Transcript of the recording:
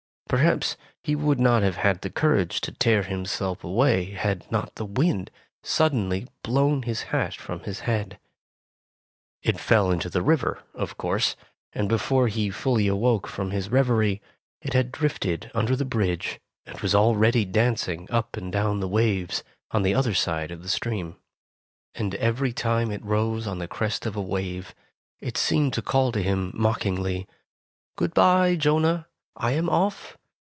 Perhaps he would not have had the courage to tear himself away had not the wind suddenly blown his hat from his head. It fell into the river, of course, and before he fully awoke from his reverie, it had drifted under the bridge, and was al ready dancing up and down the waves on the other side of the stream. And every time it rose on the crest of a wave, it seemed to call to him mockingly, ''Good bye, Jonah, I am off!